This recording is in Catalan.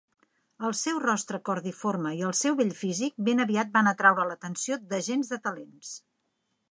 El seu rostre cordiforme i el seu bell físic ben aviat van atraure l'atenció d'agents de talents.